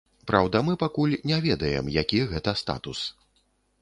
Праўда, мы пакуль не ведаем, які гэта статус.